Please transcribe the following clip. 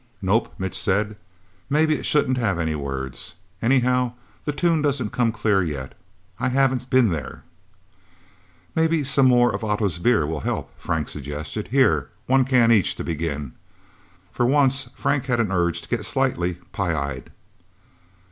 "Nope," Mitch said. "Maybe it shouldn't have any words. Anyhow, the tune doesn't come clear, yet. I haven't been There." "Maybe some more of Otto's beer will help," Frank suggested. "Here one can, each, to begin." For once, Frank had an urge to get slightly pie eyed.